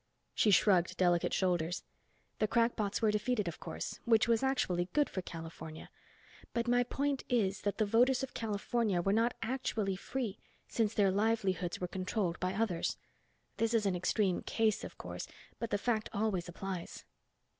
She shrugged delicate shoulders. "The crackpots were defeated, of course, which was actually good for California. But my point is that the voters of California were not actually free since their livelihoods were controlled by others. This is an extreme case, of course, but the fact always applies."